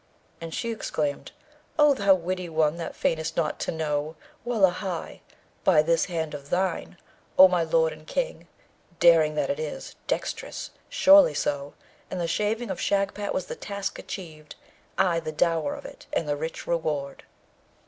And she exclaimed, 'O thou witty one that feignest not to know! Wullahy! by this hand of thine, O my lord and king, daring that it is; dexterous! surely so! And the shaving of Shagpat was the task achieved, I the dower of it, and the rich reward.'